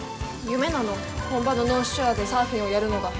夢なの本場のノースショアでサーフィンをやるのが。